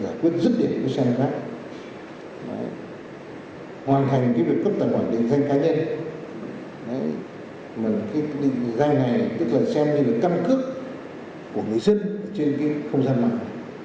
đấy mà cái định danh này tức là xem như là căn cước của người dân trên cái không gian mạng